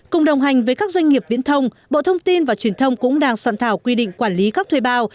cùng đồng hành với các doanh nghiệp viễn thông bộ thông tin và truyền thông cũng đang soạn thảo quy định quản lý các thuê bao